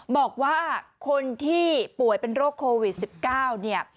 บอกว่าคนที่ป่วยเป็นโรคโควิด๑๙เนี่ย